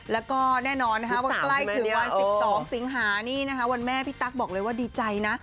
แล้วก็แน่นอนว่าใกล้ถึงวัน๑๒สิงหานี่นะคะวันแม่พี่ตั๊กบอกเลยว่าดีใจนะ